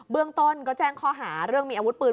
เรื่องต้นก็แจ้งข้อหาเรื่องมีอาวุธปืน